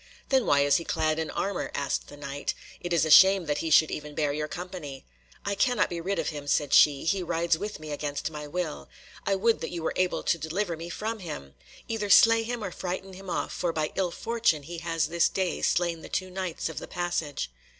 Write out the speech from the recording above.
"Then why is he clad in armour?" asked the Knight; "it is a shame that he should even bear you company." "I cannot be rid of him," said she, "he rides with me against my will. I would that you were able to deliver me from him! Either slay him or frighten him off, for by ill fortune he has this day slain the two Knights of the passage."